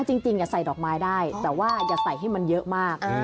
จริงใส่ดอกไม้ได้แต่ว่าอย่าใส่ให้มันเยอะมาก